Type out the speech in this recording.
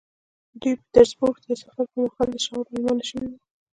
دوی پيټرزبورګ ته د سفر پر مهال د شواب مېلمانه شوي وو.